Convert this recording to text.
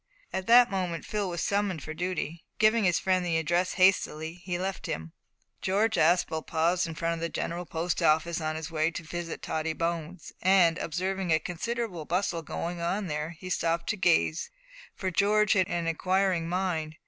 At that moment Phil was summoned for duty. Giving his friend the address hastily, he left him. George Aspel passed the front of the General Post Office on his way to visit Tottie Bones, and, observing a considerable bustle going on there, he stopped to gaze, for George had an inquiring mind.